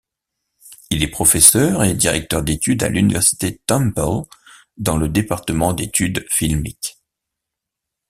Il est Professeur et directeur d'études à l'Université Temple, dans le département d'études filmiques.